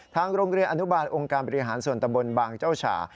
ทางโรงเรียนอนุบาลองค์การบริหารส่วนตำบลบางเจ้าฉ่า